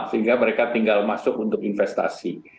sehingga mereka tinggal masuk untuk investasi